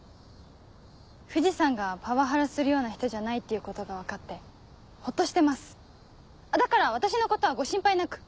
藤さんがパワハラするような人じゃないっていうことが分かってホッとしてますだから私のことはご心配なく。